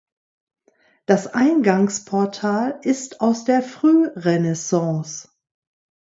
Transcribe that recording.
Das Eingangsportal ist aus der Frührenaissance.